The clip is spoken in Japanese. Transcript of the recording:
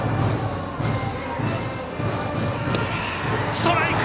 ストライク！